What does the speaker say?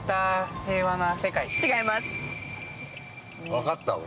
分かった、俺。